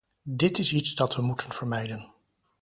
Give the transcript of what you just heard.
Dit is iets dat we moeten vermijden.